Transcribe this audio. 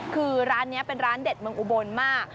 คือร้านนี้เป็นร้านเด็ดเมืองอุบลมาก